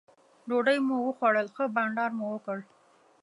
ډوډۍ مو وخوړل ښه بانډار مو وکړ.